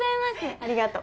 ありがとう。